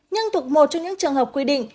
nhưng thuộc một trong những trường hợp quy định